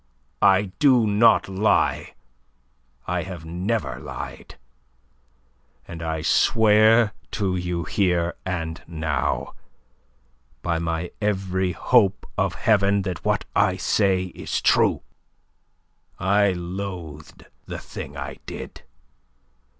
I do not lie, I have never lied. And I swear to you here and now, by my every hope of Heaven, that what I say is true. I loathed the thing I did.